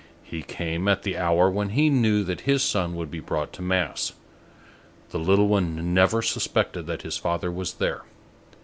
He came at the hour when he knew that his son would be brought to mass. The little one never suspected that his father was there.